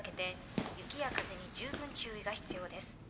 雪や風にじゅうぶん注意が必要です。